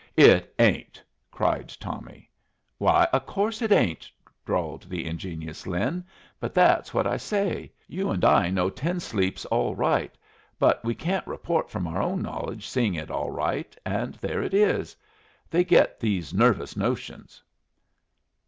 "It ain't!" cried Tommy. "Why, of course it ain't," drawled the ingenious Lin. "But that's what I say. You and I know Ten Sleep's all right, but we can't report from our own knowledge seeing it all right, and there it is. They get these nervous notions."